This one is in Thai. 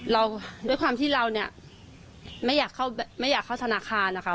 เราด้วยความที่เราเนี่ยไม่อยากเข้าธนาคารนะคะ